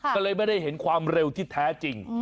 ก็เลยไม่ได้เห็นความเร็วที่แท้จริง